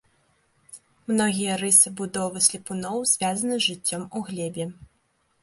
Многія рысы будовы слепуноў звязаны з жыццём у глебе.